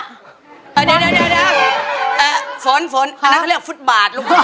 เดี๋ยวฝนอันนั้นเขาเรียกฟุตบาทลูกคุณพ่อ